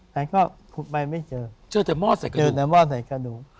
แต่ก็ขุดไปไม่เจอเจอแค่หม้อใส่กระดูก